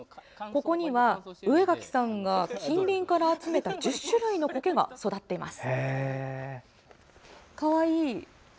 ここには、上垣さんが近隣から集めた１０種類のコケが育っています。